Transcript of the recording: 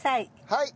はい！